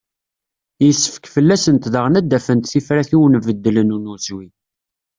Yessefk fell-asent daɣen ad d-afent tifrat i unbeddal n unezwi.